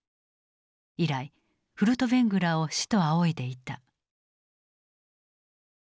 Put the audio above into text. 以来フルトヴェングラーを師と仰いでいた。